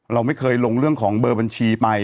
เราไม่เคยลงเรื่องของเบอร์บัญชีไป